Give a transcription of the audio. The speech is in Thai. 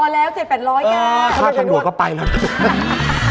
รอที่จะมาอัปเดตผลงานแล้วแล้วก็เข้าไปโด่งดังไกลถึงประเทศจีน